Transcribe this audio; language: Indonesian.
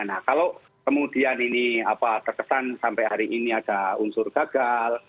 nah kalau kemudian ini terkesan sampai hari ini ada unsur gagal